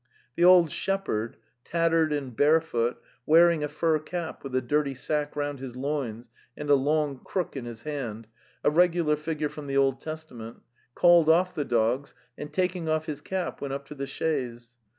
"' The old shepherd, tattered and barefoot, wearing a fur cap, with a dirty sack round his loins and a long crook in his hand —a regular figure from the Old Testament — called off the dogs, and taking off his cap, went up to the chaise.